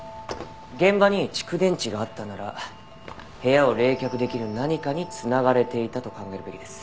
現場に蓄電池があったなら部屋を冷却できる「何か」に繋がれていたと考えるべきです。